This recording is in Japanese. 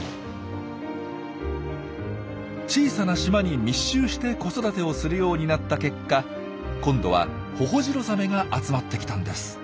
小さな島に密集して子育てをするようになった結果今度はホホジロザメが集まってきたんです。